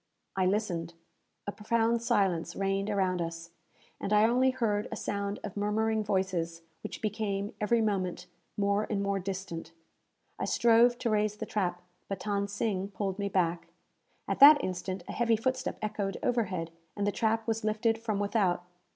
I listened. A profound silence reigned around us, and I only heard a sound of murmuring voices, which became, every moment, more and more distant. I strove to raise the trap, but Than Sing pulled me back. At that instant, a heavy footstep echoed overhead, and the trap was lifted from without.